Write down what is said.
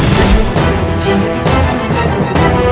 dai mata maksudmu